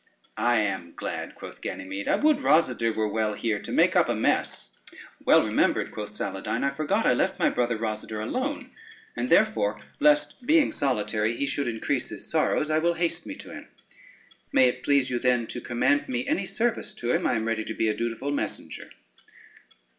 "I am glad," quoth Ganymede. "I would Rosader were well here to make up a mess." "Well remembered," quoth Saladyne; "I forgot I left my brother Rosader alone, and therefore lest being solitary he should increase his sorrows, I will haste me to him. May it please you, then, to command me any service to him, I am ready to be a dutiful messenger."